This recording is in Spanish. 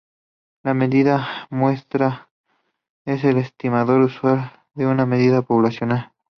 La media muestral es el estimador usual de una media poblacional.